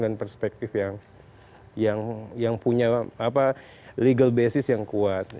dan perspektif yang punya legal basis yang kuat